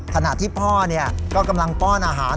ถนาที่พ่อเนี่ยก็กำลังป้อนอาหาร